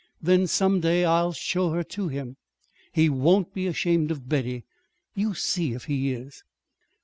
Then some day I'll show her to him. He won't be ashamed of Betty. You see if he is!"